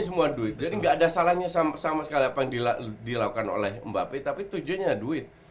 semua duit jadi enggak ada salahnya sama sekali apa yang dilakukan oleh mbak pe tapi tujuannya duit